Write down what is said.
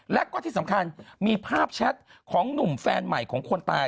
และก็ที่สำคัญมีภาพแชทของหนุ่มแฟนใหม่ของคนตาย